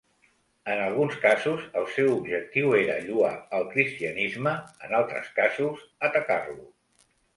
En alguns casos, el seu objectiu era lloar el cristianisme, en altres casos, atacar-lo.